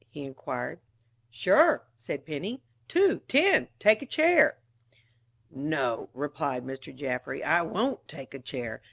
he inquired. "Sure," said Penny; "two, ten! Take a chair." "No," replied Mr. Jaffry, "I won't take a chair.